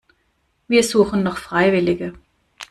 Wir suchen noch Freiwillige.